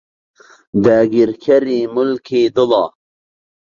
داگیرکەری ملکی دڵە